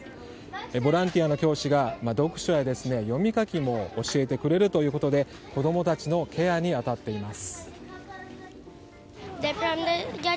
ボランティアの教師が読書や読み書きも教えてくれるということで子供たちのケアに当たっています。